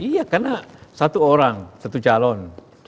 iya karena satu orang satu calon